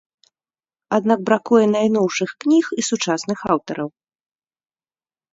Аднак бракуе найноўшых кніг і сучасных аўтараў.